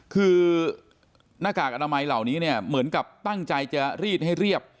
คือหน้ากากอนามัยเหล่านี้เนี่ยเหมือนกับตั้งใจจะรีดให้เรียบ